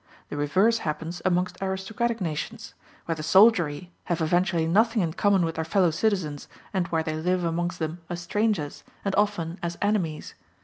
The reverse happens amongst aristocratic nations, where the soldiery have eventually nothing in common with their fellow citizens, and where they live amongst them as strangers, and often as enemies.